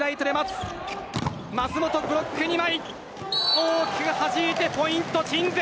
大きくはじいてポイント、鎮西。